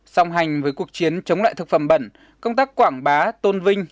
song hành với cuộc chiến chống lại thực phẩm bẩn công tác quảng bá tôn vinh